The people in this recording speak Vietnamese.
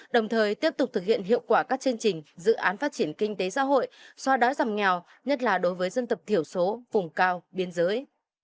đồng thời tiếp tục thực hiện hiệu quả các chương trình dự án phát triển kinh tế xã hội xoa đói giảm nghèo nhất là đối với dân tập thiểu số vùng cao biên giới